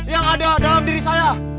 yang ada dalam diri saya